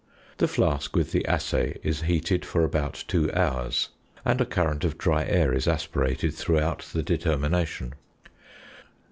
The flask with the assay is heated for about two hours, and a current of dry air is aspirated throughout the determination.